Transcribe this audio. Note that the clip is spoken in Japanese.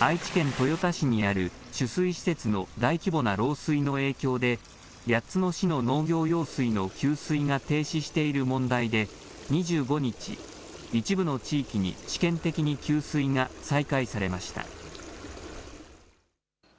愛知県豊田市にある、取水施設の大規模な漏水の影響で、８つの市の農業用水の給水が停止している問題で、２５日、一部の地域に試験的に給水が再開されました。